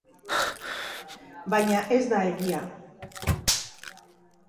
Baina ez da egia.